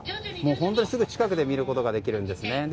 もう本当にすぐ近くで見ることができるんですね。